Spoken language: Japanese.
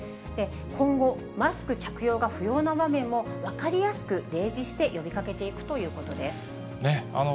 今後、マスク着用が不用な場面も、分かりやすく例示して呼びかけていくということです。